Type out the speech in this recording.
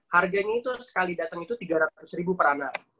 harganya itu sekali datang itu tiga ratus ribu per anak